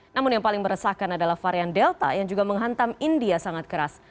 namun yang paling meresahkan adalah varian delta yang juga menghantam india sangat keras